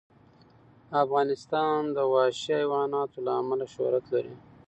افغانستان د وحشي حیوانات له امله شهرت لري.